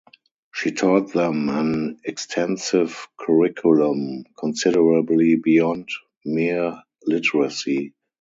She taught them an extensive curriculum, considerably beyond mere literacy.